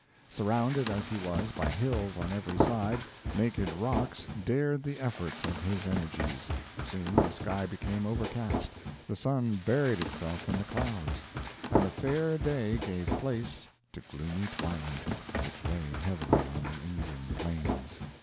Surrounded as he was by hills on every side, naked rocks dared the efforts of his energies. Soon the sky became overcast, the sun buried itself in the clouds, and the fair day gave place to gloomy twilight, which lay heavily on the Indian Plains.